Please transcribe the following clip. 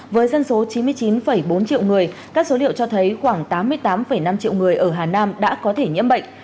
với dân số chín mươi chín bốn triệu người các số liệu cho thấy khoảng tám mươi tám năm triệu người ở hà nam đã có thể nhiễm bệnh